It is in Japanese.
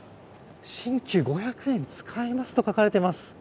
新旧五百円使えますと書かれてます。